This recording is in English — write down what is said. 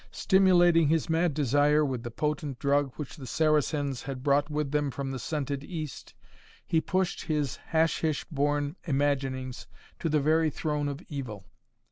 Stimulating his mad desire with the potent drug which the Saracens had brought with them from the scented East, he pushed his hashish born imaginings to the very throne of Evil.